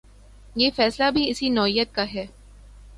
یہ فیصلہ بھی اسی نوعیت کا ہے۔